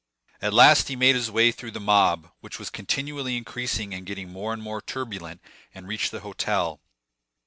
At last he made his way through the mob, which was continually increasing and getting more and more turbulent, and reached the hotel.